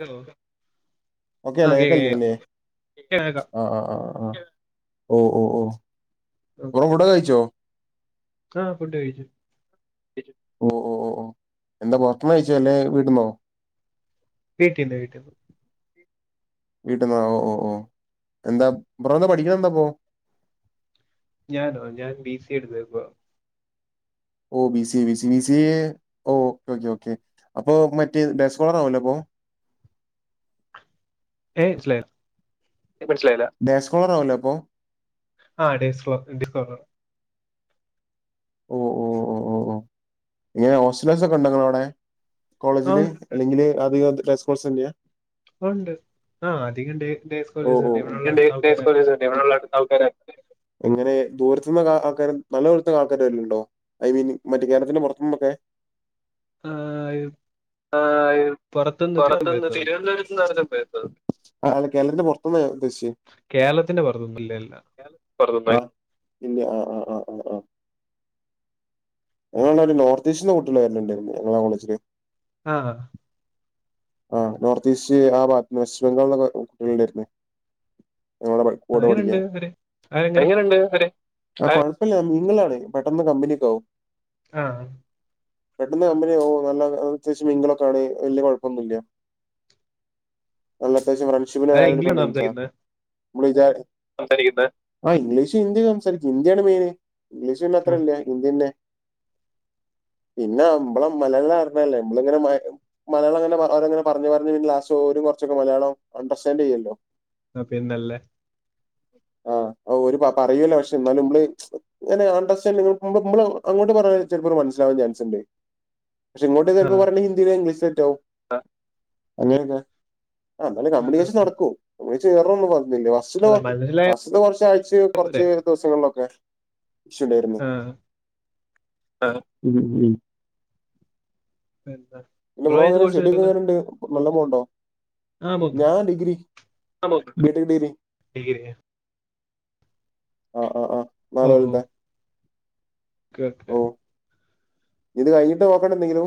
Hello. Okay ആ അല്ല കക്കല്ല കേക്കാം നിന്ന കേക്കാം കേക്കാം ആ, ആ ആ ആ, ഓ, ഓ, ഓ കുറ കൂടെ കഴിച്ചോ. ആഹ് ഫുഡ്‌ കയിച്ചു. ഓ ഓ ഓ ഓ എന്താ പൊറത്ത്ന്നാ കഴിച്ചേ അല്ലേ വീട്ട്ന്നോ? വീട്ടിന്ന് വീട്ടിന്ന്. വീട്ടിൽന്നാ ഓ ഓ ഓ എന്താ ബ്രോ ന്താ പഠിക്ക്ണന്താപ്പൊ? ഞാനോ ഞാൻ ബി സി എടുത്ത ഇപ്പൊ. ഓ B C B C B C യേ ഓ ഓക്കെ ഓക്കെ അപ്പൊ മറ്റേ ഡെസ്കോളർ ആവല്ലോ അപ്പൊ? ഏ സ്ലെ മനസ്സിലായില്ല ഡാസ്കോളർ ആവല്ലോ അപ്പൊ? ആഹ് ഡേസ് [unintelligible] [unintelligible] ഓ ഓ ഓ ഓ ഓ ഇങ്ങനെ ഓസ്റ്റലോസ് ഒക്കെ ഉണ്ടെങ്ക അവടെ? ആ കോളേജില് അല്ലെങ്കില് ആധികസ്കഴ്സ് തന്നെയാ. ഉണ്ട് ആ അധികം ഡേ ഡേസ് ഓ കോളേജ് ഓ ഉണ്ട് ഓ ഇവിടെയുള്ള ആൾ- ആൾക്കാരല്ല [unintelligible] ആൾക്കാരെ എങ്ങനെ ദൂരത്തന്ന് ആൾക്കാരും നല്ലദൂരത്ത്ന്ന് ള്ള ആൾക്കാര് ണ്ടോ ഐ മീൻ മറ്റേ കേരളത്തിന്റെ പുറത്തുനിന്നൊക്കെ [inaudible] ഈ ആഹ്, പുറത്തുനിന്ന് ഇത്തിരി പുറത്തന്ന് വരുത്തുന്നുണ്ട് തിരുവനന്തപുരത്ത്ന്നാണ് [unintelligible] ആ കേരളത്തിന്റെ പുറത്തുന്ന ഉദ്ദേശ്യച്ച് കേരളത്തിന്റെ വൊറത്തൊന്നും ഇല്ലല്ല. പൊറത് ന്ന ആ, ആ, ആ, ആ, ആഹ് [unintelligible] [unintelligible] ആഹ് ആ നോർത്ത് ഈസ്റ്റ് ആ ഭാഗത്ത്ന്ന് വെസ്റ്റ് ബംഗാളില കുട്ടികള ഉണ്ടായിരുന്നേ ഞങ്ങളുടെ പ കൂടെ എങ്ങനെയുണ്ട് ഓടിക്കാൻ അവര് അവരെങ്ങനെ എങ്ങനണ്ട് അവര്? കുഴപ്പമില്ല മിംഗ്ളാണ് പെട്ടെന്ന് കമ്പനിയൊക്കാവും ആഹ പെട്ടെന്ന് കമ്പനിയാവും ഓ നല്ല അത്യാവിശ്യം മിംഗ്‌ളൊക്കെയാണ് വലിയ കുഴപ്പല്ല അല്ലാത്തശ്യം ഫ്രൺഷിപ്പിന് അവരെ വാലിയൂ ഇംഗ്ലീഷ് കൊടുക്ക്ണ ആണ് ടീംസാ സംസാരിക്കുന്നത് മ്മള് വിചാരി സംസാരിക്കട്ടെ ആ ഇംഗ്ലീഷും ഹിന്ദി സംസാരിക്കും ഹിന്ദിയാണ് മെയിന് ഇംഗ്ലീഷ് പിന്നെ ആ അത്രല്ല ഹിന്ദിന്നെ പിന്നെ നമ്മള മലയാളരണല്ലേ ഇമ്മള ഇങ്ങനെ മലയാള ങ്ങനെ അവരങ്ങനെ പറഞ്ഞഞ് പിന്നെ ഓൽ കുറച്ചൊക്കെ മലയാള അണ്ടർസ്റ്റാഡ് ചെയ്യല്ലോ ആ പിന്നല്ലേ ഓ ഒരു പറയൂല്ല പക്ഷെ ന്നാലും മ്മള് ചെ ങ്ങനെ ആണ്ടർസ്റ്റാൻഡ് നോക്ക് മ്മളെ അങ്ങട്ട് പറഞ്ഞൽ ചിലപ്പോൾ മനസിലാാവൻ ചാൻസ്ണ്ട് പക്ഷെ ഇങ്ങോട്ട് ആ ചിലപ്പോ പറഞ്ഞ ഹിന്ദിയൊക്കെ ഇംഗ്ലീശോക്കെ തറ്റോവും അങ്ങനെയൊക്കെ ആ ന്നാലും ആ, കമ്യൂണിക്കേഷൻ ആ. നടക്കും ഒയ്ച്ചു കയറൊന്നും പറഞ്ഞില്ല പാസ്ററ്തെ അതാ മനസ്സിലായ പാസ്റ്റത്തെ കുറച്ച ആഴ്ച പോരെ കൊറച്ച് ദിവസങ്ങളിലൊക്കെ ണ്ടായിരുന്നു ആ ആ ഇമ് ഇമ് ന്ത എന്റെ ബ്രോ ഇങ്ങനെ സെഡങ്ങനെണ്ട് നല്ല പോണ്ടോ ആ പോകുന്നുണ്ട് ഞാൻ ഡിഗ്രി ആ നോക്കിക്കൊണ്ട് ബിട്ടക്ക് ഡിഗ്രി ഡിഗ്രിക്ക് ആഹ ആഹ് ആഹ് ഓ ഓ നാല്കൊല്ലത്തെ ഓക്കെ ഓക്കെ ഇത് കഴഞ്ഞട്ട് നോക്കണ്ടേ എന്തെങ്കിലും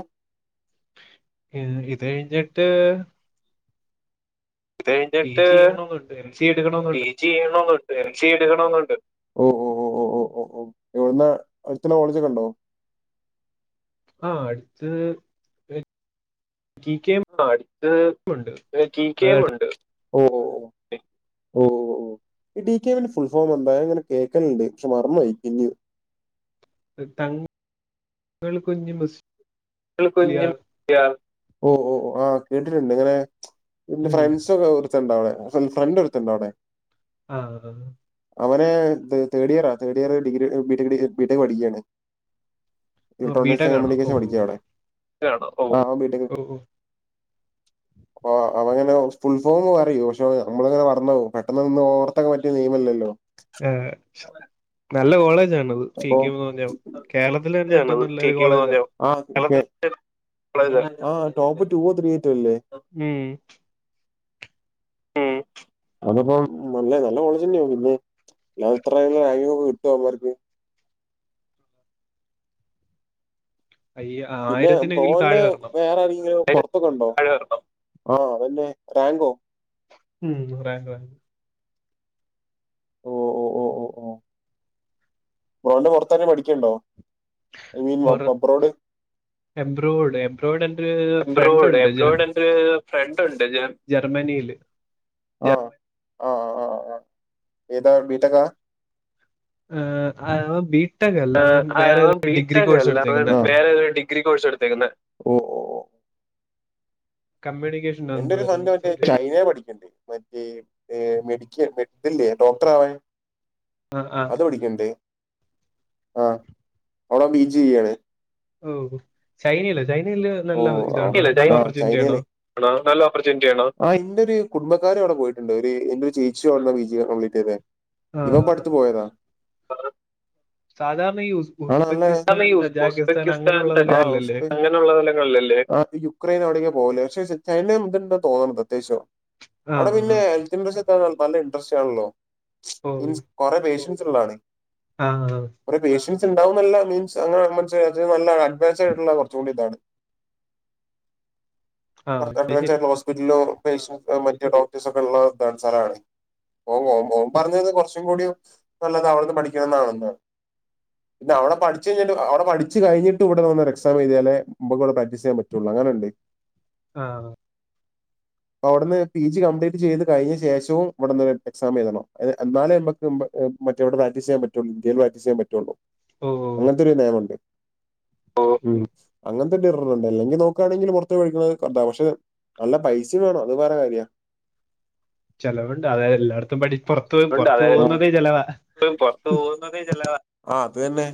ഏ ഇതഴ്‌ഞ്ഞിട്ട് ഇത് പി കഴിഞ്ഞിട്ട് ജി ചെയ്യണമെന്നുണ്ട് എൽ സി പി എടുക്കണമെന്നുണ്ട് ജി ചെയ്യണോന്നുണ്ട് എൽ സി എടുക്കണെന്നുണ്ട് ഓ ഓ ഓ ഓ ഓ ഓ ഓവ്ട്ന്നാ അട് ത്തന്നെ കോളേജൊക്കെണ്ടോ ആഹ അടുത്തത് ഒരു കി ആ അടുത്ത് കെ കെ എം അതായത് ഉണ്ട് ഓ ഓഓ ഈ ഡി കെ എംൻറ്റെ ഫുൾ ഫോം എന്താ അങ്ങനെ കേൾക്കലണ്ട് പക്ഷെ മറന്ന് പോയി പിന്നിം തൾ കൊഞ്ഞ മസ് ഓ ഓ കേട്ടിട്ടുണ്ട് ഇങ്ങനെ ഉം. ഫ്രണ്ട് ത്തണ്ടവ്ടെ ഫ്രണ്ടൊരുത്തന്ണ്ടവിടെ ആഹ അവന് തേർഡ് ഇയറാ തേർഡ് ഇയർ ഡിഗ്രി ബിടെ ബിടെക് പഠിക്ക്യാണ് ഇലക്ട്രോണിക്സ് ബിടെക് ആണോ ഓ കമ്മ്യൂണിക്കേഷൻ പഠിക്ക അവിടെ ഉ അവന്ങ്ങനെ ഫുൾ ഫോം പറിം പക്ഷെ നമ്മളിങ്ങനെ മർന്നോവും പെട്ടെന്ന് നിന്ന് ഓർത്തക്കാൻ പറ്റിയ നെയ്മല്ലല്ലോ ഏ നല്ല കോളേജ് ആണത് അപ്പൊ കേരളത്തില് തന്നെ ഏറ്റവും നല്ലൊരു കോളേജ് ആ അതെ ആ ടോപ്പ് ടു ഓ ത്രീ യോറ്റെ അല്ലേ ഉം ഉം അതിപ്പോം നല്ല നല്ല കോളേജ് തന്നെ പിന്നെ അല്ല [unintelligible] കിട്ടോ അവമാർക്ക് അയ്യ പിന്നെ ആയിരത്തിനെങ്കിലും താഴെ ബോനെ വരണം വേറാരലും തോക്കെണ്ടോ ആ പിന്നെ റാങ്കോ ഉം [unintelligible] ഓ ഓ ഓ ഓ ഓ ബ്രോഡിന് പോർത്തന്നെ പഠിക്ക്ണ്ടോ ഐ മീൻ അബ്രോഡ് എംബ്രോഡ് എംബ്രോയിഡ് എന്റെറ ഒരു ഫ്രണ്ട് ഉണ്ട് ജാൻ ഏ ഫ്രണ്ട് ഉണ്ട് ജാൻ ജർമ്മനിയില് ആഹ് ആഹ് ആഹ് ആഹ് ആഹ് ആഹ് ഏതാ ബീട്ടക്ക ആഹ് അ [unintelligible] ബീ ആ അവ ബിടെക് അല്ല അവ എടുത്തേക്കുന്നെ വേറെരു ഡിഗ്രി കോഴ്സ് എടുത്തേക്കുന്ന ഓ ഓ. കമ്മ്യിക്കേ എന്റെറെ ഒരു സ്വന്തം വെച്ച ചൈനയ പഠിക്കേണ്ട് മറ്റേ മെഡിക്ക മെഡിക്കൽ ല്ലേ ഡോക്ടറാവാൻ ആഹ് ആഹ് അത് പഠിക്കണ്ടേ ആ അവടെ പി ജി ചെയ്യാണ് ഓ ചൈനയില് ചൈനയില് നല്ല ഇതാണോ നല്ല ഓപ്പർച്യൂണിറ്റി ആണോ ആഹ് നല്ല ഓപ്പർചുണിറ്റി ആണ് ആഹ് ന്റെ ഒരു കുടബക്കാര് അവിടെ പോയിട്ടുണ്ട് എന്റെ ഒരു ചേച്ചി അവന്നാ പി ജി കപ്ലീറ്റ് ചെയ്ത ആ ഇവപ്പോ അടുത്ത് പോയതാ സാധാരണ യൂസ് സാധാരണ ഈ ഉസ്ബുകിസ്ഥാന സ്ഥലങ്ങളിലല്ലേ യുക്രൈൻ അവിടെ യേക്കെ പോകലേ പക്ഷെ ചൈനയും ഇണ്ടോ തോന്നുന്നുണ്ട് അത്യാവശ്യം ആ അവിടെ ആ, പിന്നെ [unintelligible] നല്ല ഇൻട്രസ്റ്റ് ആണല്ലോ ഇൻസു കുറെ പേഷ്യൻസ് ഉള്ളതാണ് ആഹ് ആഹ് കുറെ പേഷ്യൻസ് ഇണ്ടാവും നല്ല മീൻസ് അങ്ങനെ [unintelligible] നല്ല അഡോൻസ് ആയിട്ടുള്ള കുറച്ചു കൂടി ഇതാണ് ആ, [unintelligible] അത് ശരി പില്ലോ പെയിൽസ് മറ്റേ ഡോക്ടേഴ്സ് ഒക്കെ ഉള്ള ഇതാണ് സ്ഥലാണ് ഓ ഓം ഓം പറഞ്ഞത് കുറച്ചും കൂടി നല്ലത് അവിടന്ന് പഠിക്കണംന്നാണ് പിന്നെവിടെ പഠച്ച് കഴിഞ്ഞിട്ട് അവടെ പഠിച്ച് കഴിഞ്ഞിട്ട് ഇവിടെ വന്നൊരു എക്സാം എഴതിയാലേ മ്മക് ഇവിടെ പ്രാക്ടീസ് ചെയ്യാൻ പറ്റുള്ളൂ അങ്ങനെയുണ്ട് ആഹ് അപ്പ അവിടുന്ന് പി ജി കംപ്ലീറ്റ് ചെയ്ത് കഴിഞ്ഞ ശേഷവും ഇവിടുന്ന് എക്സാം എഴതണം എന്നാലേക്ക് മ്മക്ക് മ്മക്ക് മറ്റേ അടെ പ്രാക്ടസ് ചെയ്യൻ പറ്റുള്ളൂ ഇന്ത്യൽ പ്രാക്ടസ് ചെയ്യൻ പറ്റുള്ളൂ ഓ അങ്ങനത്തെരു നിയമുണ്ട് ഓഹ മ്മ് അങ്ങനെ ണ്ട് അല്ലെങ്കിൽ നോക്കുകയാണെങ്കിൽ പുറത്തുപോയി പഠിക്കുന്നു പക്ഷെ നല്ല പൈസ വേണം അത് വേറെ കാര്യ ചിലവുണ്ട് അതത് എല്ലായിടത്തും പഠി പുറത്ത് പോയി- പുറത്ത് പോകുന്നതേ ചെലവാ [unintelligible] പുറത്തുപോകുന്നത് ചില ആഹ് അത് തന്നെ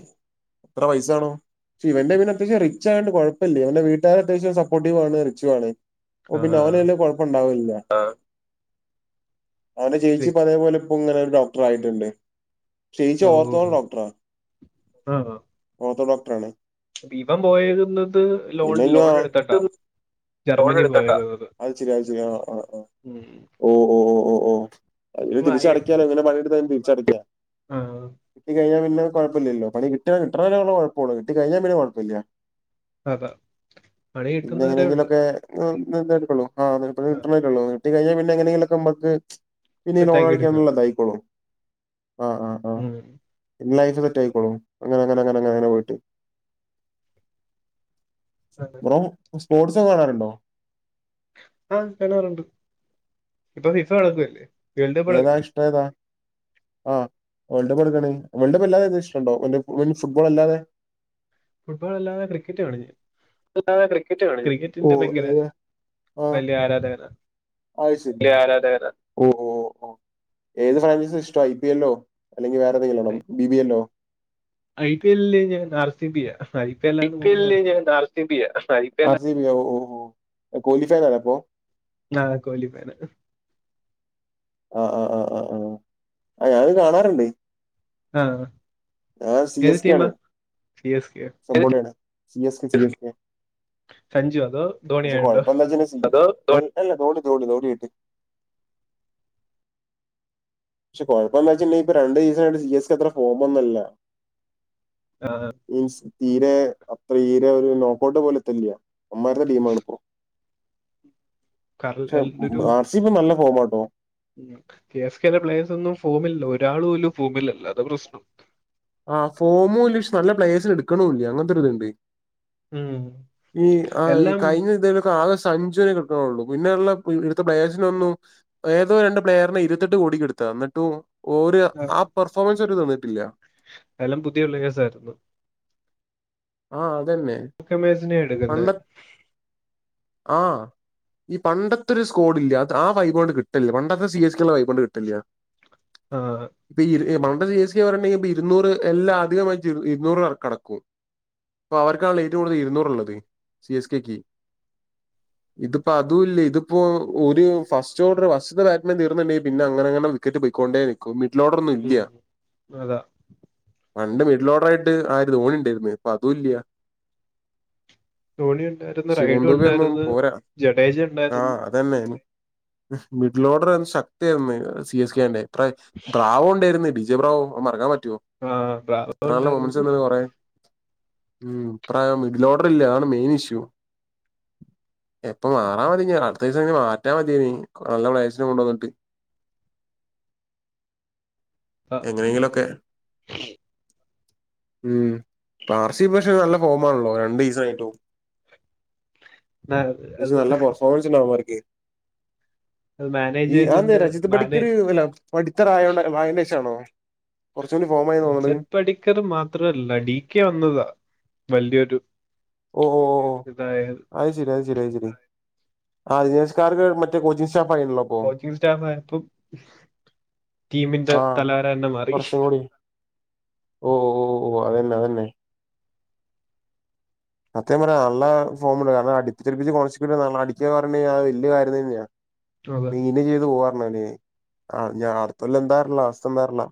എത്ര പൈസ വേണം ഇവന്റെ പിന്നെ അത്യാവശ്യം റിച്ചായോണ്ട് കുഴപ്പല്ല ഇവൻ്റെ വീട്ടുകാരെ അത്യാവശ്യം സപ്പോർട്ടീവാണ് റിച്ചും ആണ് ഓ ആ പിന്നെ അവനല്ലേ കൊഴപ്പുണ്ടാവൂില്ല അവന്റെ ചേച്ചി ശരി. ഇപ്പ അതേപോലെ ഇപ്പങ്ങനെ ഡോക്ടറായിട്ടുണ്ട്. ചേച്ചി ഓ ഓർത്തോ ഡോക്ടറാ ആ ഓർത്തോ ഡോക്ടറ ആാണ് ഇവൻ പോയത് എന്നിട്ട് ലോൺ ഞാ ലോൺ എടുത്തട്ടാ ലോൺ എടുതിട്ട അത് ശരി അത് ശരി ആഹ് ആഹ് ആഹ് ഉം. ഓ ഓ ഓ ഓ ഓ അന് ഇപ്പൊ അയാൾക്ക് തിരിച്ചടക്കാനോങ്ങനെ പണി എടുത്ത് തിരിച്ചടക്കാ ആ, കിട്ടി കഴിഞ്ഞാ പിന്നെ കുഴപ്പല്ലല്ലോ പണി കിട്ട കിട്ടുന്ന വരെ കുഴപ്പമുള്ള കിട്ടിക്കഴിഞ്ഞാൽ പിന്നെ കുഴപ്പമില്ല അതാ പണി പിന്നെ കിട്ടുന്നവരേ ഒള്ളു ആ എങ്ങനെയെങ്കിലൊക്കെ ഊ നിട്ടുന്നതൊക്കെ ഒള്ളു നീട്ടി കഴിഞ്ഞാൽ പിന്നെ എങ്ങനെിലൊക്കെ മ്മക്ക് പിന്നെ സെറ്റാക്കി എടുക്കുക ലോണഴിക്കാനുള്ളതായിക്കോളും ആഹ് ആഹ് ഉം ലൈഫ് സെറ്റ് ആയ്ക്കോളും അങ്ങനെങ്ങന അങ്ങനങ്ങങ്ങനെ പോയിട്ട് അതെ. ബ്രോ സ്പോർട്സൊക്കെ കാണറുണ്ടോ ആഹ് കാണാറുണ്ട് ഇപ്പൊ ഫിഫ നടക്കുകല്ലേ ഏതാ ഇഷ്ട്ടം ഏതാ? ആഹ് വേൾഡപ്പ് തൊടങ്ങാനായി വേൾഡപ്പ് അല്ലാതെ ഏതേം ഇഷ്ട്ടണ്ടോ [unintelligible] മീൻസ് ഫുട്ബോൾ അല്ലാതെ ഫുട്ബോൾ അല്ലാതെ ക്രിക്കറ്റ് കാണും ഞാൻ ഫുട്മ്പോൾ അല്ലാതെ ക്രിക്കറ്റ് കാണും ഞാൻ ഓ ക്രിക്കറ്റിന്റെ ഭയങ്കര ഏത് ആഹ് വലിയ ആരാധകന അയ്ശരി വല്ല്യ ആരാധകനാ ഓഹ് ഓഹ് ഓഹ് ഏത് ഫൈനൽസാ ഇഷ്ട്ടം ഐ പി എല്ലോ അല്ലെങ്കി വേറെ ഏന്തെങ്കിലും ആണോ B B yellow I P എല്ലില് ഞാൻ ആർ സി ബി യാ ഐ പി എല്ലാണ് കൂടുതല് എല്ലില് കാണുന്നത്. ഞാൻ ആർ ബി യാ ഐ പി എല്ലാ ആർ സി ബി യാ ഓഹ് ഓഹ് കോലി ഫാനാപ്പോ അതെ കോലി ഫാനാ ആഹ് ആഹ് ആഹ് ആഹ് ആഹ് ആഹ് ഞാനും കാണാറുണ്ട്. ആഹ് ഞാൻ ഏത് ടീമാ സി എസ് കെയോ? സൊ പൊളിയാണ് സി എസ് ക്കെ ചെറിയൊരു [unintelligible] സഞ്ജു അതോ ധോണി പക്ഷെ ആയുണ്ടോ കൊഴപ്പ എന്താച്ചാല് [unintelligible] ധോ ധോണി അല്ല ധോണി ധോണി ധോണി കിട്ടി പക്ഷെ കൊഴപ്പന്താന്ന് വച്ചിട്ടണ്ടെങ്കി ഇപ്പ രണ്ടീസം ആയിട്ട് സി എസ് കേ അത്ര ഫോം ഒന്നും അല്ല. അതെ മീൻസ് തീരെ അത്ര തീരെ ഒരു ലോക്കൗട്ട് പോലെത്തെല്ല അവന്മാരുടെ ടീം ആണ് ഇപ്പോ കർല- പക്ഷെ അല്ല, ഉം ആർ സി ബി നല്ല ഫോമാട്ടോ ഉം കെ എസ് കെ ടെ പ്ലേയേഴ്സ് ഒന്നും ഫോമിലല്ല ഒരാള് പോലും ഫോമിലല്ലാ അതാ പ്രശ്നം. ആഹ് ഫോമോല് ഷ് നല്ലെ പ്ലെയേഴ്സ്നെ ഇട്ക്ക്ണൂല്ല്യാ അങ്ങൻത്തൊര്ത്ണ്ട് ഉം. ഈ ആഹ് ഈ എല്ലാം കഴിഞ്ഞ ഇതേലൊക്കെ ആകെ സ് സഞ്ജുവിനെ കിട്ടുണൊള്ളൂ പിന്നെ ഉള്ള ഇവിടുത്തെ പ്ലയേഴ്സിനൊന്നും ഏതോ രണ്ട് പ്ലെയറിനെ ഇരെത്തെട്ട് കോടിക്കെട്ത്തതാ ന്നിട്ടും ഓര് ആ പെർഫോമെൻസ് ഓര് തന്നിട്ടില്ല്യാ എല്ലാം പുതിയ പ്ലെയേസായിര്ന്നു ആഹ് അതന്നെ കമേഴ്സിനെ എട്ക്ക്ന്നെ ആഹ് ഈ പണ്ടത്തൊര് സ്കോഡ്ല്ലേ അത് ആ വൈബങ്ങട്ട് കിട്ട്ൽ പണ്ടത്തെ സി എച്ച് കെള്ള വൈബാണ്ട് കിട്ട്ല്ല്യാ ആഹ് ഇപ്പ ഇര് മൌണ്ട് സി എസ് കെ പറയ്ണ്ടെങ്കിപ്പ ഇര്ന്നൂര് എല്ലാം അധികമായിട്ട് ഇടും ഇര്ന്നൂറ് റൊക്കടക്കും പ്പൊ അവർക്കാണല്ലോ ഏറ്റവും കൂട്തൽ ഇര്ന്നൂറ്ള്ളത് സി എസ് കേയ്ക്ക് ഇത്പ്പൊ അതൂല്ല ഇത്പ്പോ ഒര് ഫസ്റ്റാേഡർ ഫസ്റ്റ്ത്തെ ബാറ്റിന് തീർന്നിണ്ടെങ്കി പിന്നെ അങ്ങനെ അങ്ങനെ വി ക്കറ്റ് പാെയ്ക്കോണ്ടേരി ക്കും മിഡിലോഡറൊന്നും ഉം, ഇല്ല്യാ അതാ പണ്ട് മിഡിലോഡ് ആയിട്ട് ആര് ധോണിണ്ടാര്ന്ന് പ്പതൂല്ല്യാ ധോണി ഉണ്ടാര്ന്ന് ശിവം റൈഡു ദുബെ ഉണ്ടാര്ന്ന് ജഡേജ ഉണ്ടായ്ര്ന്ന് അത് തന്നെ മി മിഡിലോഡർ ശക്ത്യാര്ന്ന് സി എസ് കേന്റെ അ ബ്രാവു ഉണ്ടായിരുന്നു ഡിജെ പ്രേ പ്ര ബ്രാവു ഉണ്ടാര്ന്ന് ബിജെ ബ്രാവുവും അത് മറക്കാൻ പറ്റുവോ ആ ബ്രാവോ എത്രെ നല്ല ഉണ്ടായിരുന്നു മാെമൻസെര്ന്നില്ലേ കൊറേ ഉം പ്രായം മിഡിലോഡറില്ല അതാണ് മെയിനിഷ്യൂ എപ്പം മാറാ മതിഞ്ഞ് അട്ത്ത ദീസംഞ്ഞ് മാറ്റാ മത്യേനി നല്ല പ്ലെയേഴ്സിനെ കൊണ്ടുവന്ന്ട്ട് ആ, എങ്ങനെങ്കിലൊക്കെ മ്മ് പാർസി പക്ഷെ നല്ല ഫോമാണല്ലോ രണ്ടീസായിട്ടും ന- പക്ഷെ അത് നല്ല പെർഫോമൻസ്ണ്ടവന്മാര്ക്ക് അത് ഈ ആന്നേ മാനേജ്മെന്റിന്റെ രജത് മാനേ പടിക്കര് വല്ലാ പഠിത്തറ ആയോണ്ടോ വായനേഷാണോ കുറച്ചൂടി ഫോം ജറ്റ് പടിക്കർ മാത്രംല്ല ടി കെ വന്നതാ വലിയൊരു ഓഹ് ഓഹ് ഓഹ് ഓഹ് ഇതായത് അത് ശരി അത് ശരി അത് ശരി ആ ജിനേഷ് കാർക്ക് മറ്റേകോച്ചിംഗ് സ്റ്റാഫ് ആയിണല്ലോ അപ്പൊ കോച്ചിങ് സ്റ്റാഫായപ്പം ടീമിന്റെ ആഹ് തലവര തന്നെ മാറി കുറച്ചും കൂടി ഓ ഓ ഓ അതെന്നെ അതെന്നെ സത്യ പറഞ്ഞാൽ നല്ല ഫോമില. കാരണം അടിച് തെറിപ്പിച്ചു [unintelligible] അടിക്കാന്ന് പറ ഞ്ഞാൽ വെല്ല്യ കാര്യം തന്നെയാ. അതാ [unintelligible] അട്ത്തൊല്ലം എന്താറ്ന്ന്‌ അവസ്ഥ എന്താറ്ന്നർഞോ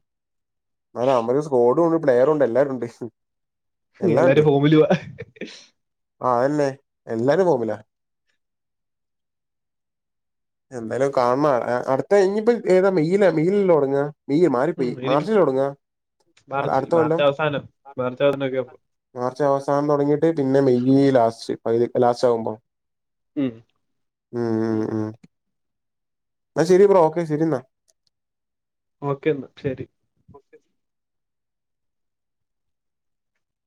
[unintelligible] അവൻമാര് സ്ക്കോഡുണ്ട് പ്ലെയറുണ്ട് എല്ലാരുണ്ട്. എല്ലാരും ഫോമിലുവ ആ അതന്നെ എല്ലാരും ഹോമിലാ എന്തായാലും അത് കാണണം. അട്ത്ത ഇനിപ്പം ഏതാ മേയ്യ്ല മേയ്യിലല്ലേ തൊടങ്ങുക ഇയി മേയ്യിൽ മാറിപ്പോയി ഉം, ഇനി മാർ മാർച്ചിൽ. മാർച്ചവസാനം. മാർച്ച് അവസാനൊക പോകു മാർച്ച് അവസാനം തൊടങ്ങിട്ട് പിന്നെ മെയ്യ് ലാസ്റ്റ് പകുതിക്ക് ലാസ്റ്റ് ആവുമ്പം. മ്മ് മ്മ് മ്മ്മ് ന്നാ ശെരി ബ്രോ. ഓക്കെ ശെരി ന്നാ ഓക്കേ എന്നാ ശെരി